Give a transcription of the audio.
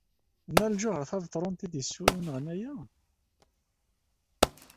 D Nna Lǧuheṛ Tabetṛunt ay d-yessunɣen aya?